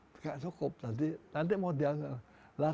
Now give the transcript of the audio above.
tidak cukup nanti mau diangkat